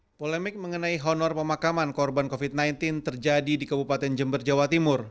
hai polemik mengenai honor pemakaman korban kofit sembilan belas terjadi di kebupaten jember jawa timur